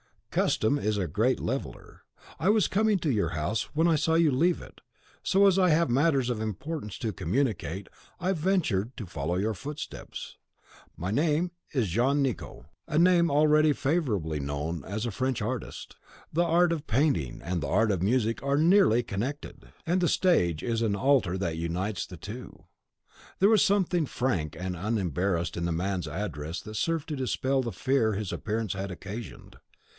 Custom is a great leveller. I was coming to your house when I saw you leave it; so, as I have matters of importance to communicate, I ventured to follow your footsteps. My name is Jean Nicot, a name already favourably known as a French artist. The art of painting and the art of music are nearly connected, and the stage is an altar that unites the two." There was something frank and unembarrassed in the man's address that served to dispel the fear his appearance had occasioned.